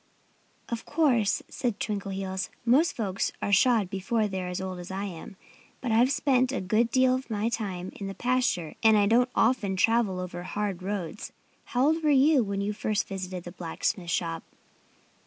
"Of course," said Twinkleheels, "most folks are shod before they're as old as I am. But I've spent a good deal of my time in the pasture and I don't often travel over hard roads.... How old were you when you first visited the blacksmith's shop?"